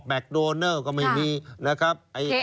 โดเนอร์ก็ไม่มีนะครับ